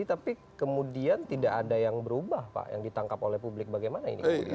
tapi kemudian tidak ada yang berubah pak yang ditangkap oleh publik bagaimana ini